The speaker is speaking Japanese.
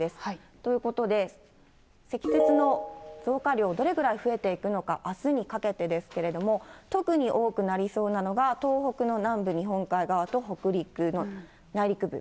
ということで、積雪の増加量、どれぐらい増えていくのか、あすにかけてですけれども、特に多くなりそうなのが、東北の南部、日本海側と北陸の内陸部。